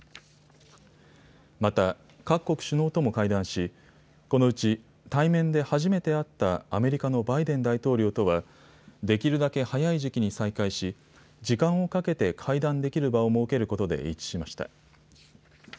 また、各国首脳とも会談しこのうち対面で初めて会ったアメリカのバイデン大統領とはできるだけ早い時期に再会し、時間をかけて会談できる場を設けることで一致しました。